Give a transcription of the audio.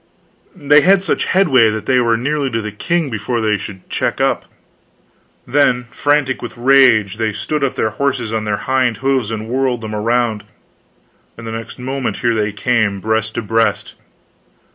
They had such headway that they were nearly to the king before they could check up; then, frantic with rage, they stood up their horses on their hind hoofs and whirled them around, and the next moment here they came, breast to breast.